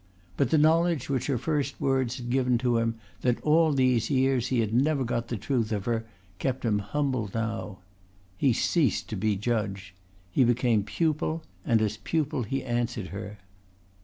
But the knowledge which her first words had given to him, that all these years he had never got the truth of her, kept him humble now. He ceased to be judge. He became pupil and as pupil he answered her.